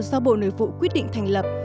do bộ nội vụ quyết định thành lập